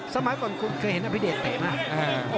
สมัยก่อนเคยเห็นพี่เดชน์เตะนะ